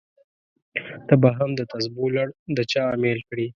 ته به هم دتسبو لړ د چا امېل کړې!